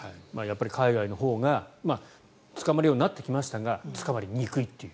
海外のほうが捕まるようになってきましたが捕まりにくいという。